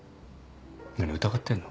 何疑ってんの？